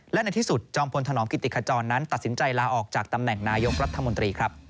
และในที่สุดจอมพลธนอมกิติขจรนั้นตัดสินใจลาออกจากตำแหน่งนายกรัฐมนตรีครับ